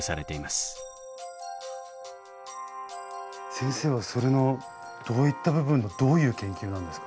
先生はそれのどういった部分のどういう研究なんですか？